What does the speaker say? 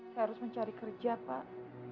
saya harus mencari kerja pak